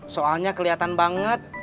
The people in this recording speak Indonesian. soalnya keliatan banget